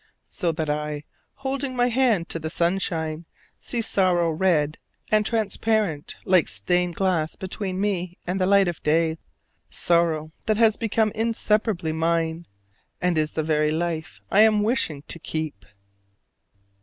So that I, holding up my hand to the sunshine, see sorrow red and transparent like stained glass between me and the light of day, sorrow that has become inseparably mine, and is the very life I am wishing to keep!